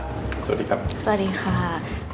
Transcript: สวัสดีค่ะ